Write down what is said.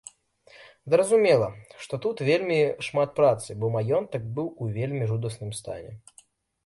Зразумела, што тут вельмі шмат працы, бо маёнтак быў у вельмі жудасным стане.